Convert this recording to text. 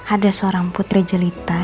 ada seorang putri jelita